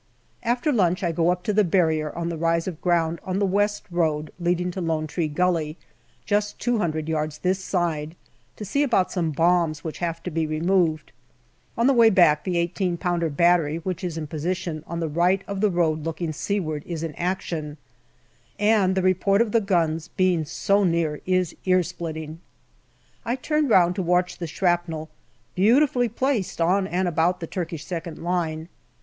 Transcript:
After lunch I go up to the Barrier on the rise of ground on the west road leading to Lone Tree Gully, just two hundred yards this side, to see about some bombs which have to be removed. On the way back, the i8 pounder battery which is in position on the right of the road looking seaward is in action, and the report of the guns, being so near, is ear splitting. I turn round to watch the shrapnel, beautifully placed on and about the Turkish second line.